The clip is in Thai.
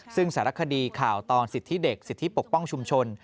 ซึ่งสารคดีข่าวตอนสิทธิเด็กสิทธิปกป้องชุมชน